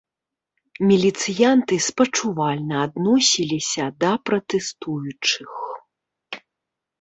Міліцыянты спачувальна адносіліся да пратэстуючых.